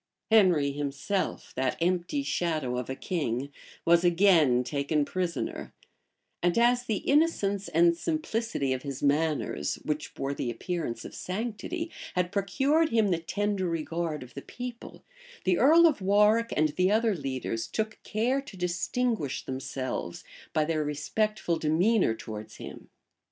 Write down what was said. Henry himself, that empty shadow of a king, was again taken prisoner; and as the innocence and simplicity of his manners, which bore the appearance of sanctity, had procured him the tender regard of the people,[*] the earl of Warwick and the other leaders took care to distinguish themselves by their respectful demeanor towards him.